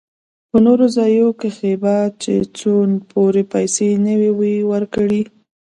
په نورو ځايو کښې به چې څو پورې پيسې يې نه وې ورکړې.